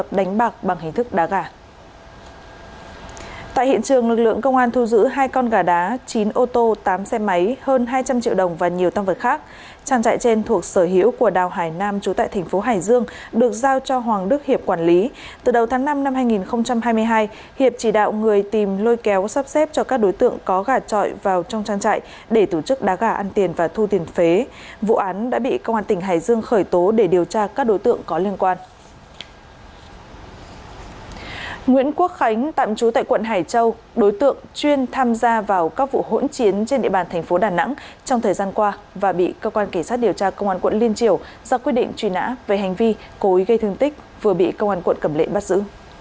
và bị cơ quan kỳ sát điều tra công an quận liên triều do quyết định truy nã về hành vi cối gây thương tích vừa bị công an quận cầm lệ bắt giữ